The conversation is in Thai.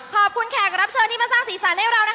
ขอบคุณแขกรับเชิญที่มาสร้างศีรษะได้กับเรานะคะ